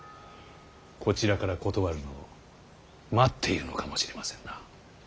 こちらから断るのを待っているのかもしれませんな。